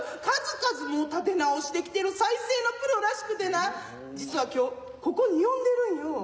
数々もう立て直してきてる再生のプロらしくてな実は今日ここに呼んでるんよ。